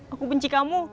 aku benci kamu